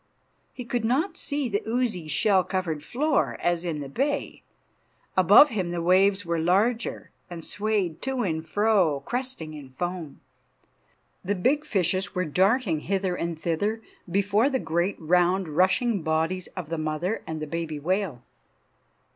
He could not see the oozy, shell covered floor, as in the bay. Above him the waves were larger, and swayed to and fro, cresting in foam. The big fishes were darting hither and thither before the great round, rushing bodies of the mother and the baby whale.